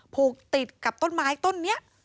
ผูกติดกับต้นไม้ต้นนี้